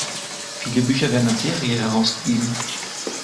Viele Bücher werden als Serie herausgegeben.